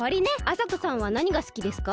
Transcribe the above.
あさこさんはなにがすきですか？